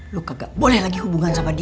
lu kagak boleh lagi hubungan sama dia